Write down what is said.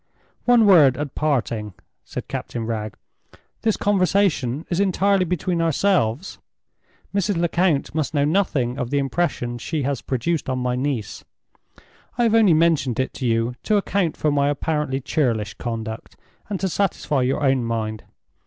"One word at parting," said Captain Wragge. "This conversation is entirely between ourselves. Mrs. Lecount must know nothing of the impression she has produced on my niece. I have only mentioned it to you to account for my apparently churlish conduct and to satisfy your own mind.